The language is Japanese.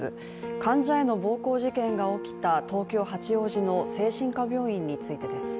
患者への暴行事件が起きた東京・八王子の精神科病院についてです。